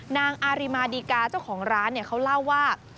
นางอาริมาดีกาเจ้าของร้านเขาเล่าว่า